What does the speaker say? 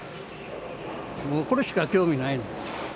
もうこれしか興味ない。